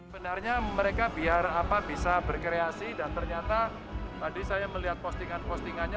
benarnya mereka biar apa bisa berkreasi dan ternyata tadi saya melihat postingan postingannya